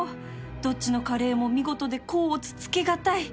どっちのカレーも見事で甲乙つけ難い